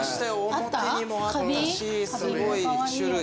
表にもあったしすごい種類。